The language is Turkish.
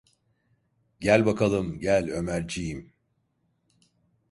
Gel bakalım, gel Ömerciğim…